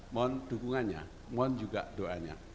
mohon dukungannya mohon juga doanya